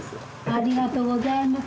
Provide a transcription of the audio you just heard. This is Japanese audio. ありがとうございます。